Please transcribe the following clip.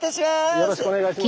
よろしくお願いします。